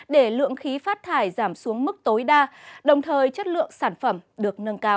để lượng khí phát thải giảm xuống mức tối đa đồng thời chất lượng sản phẩm được nâng cao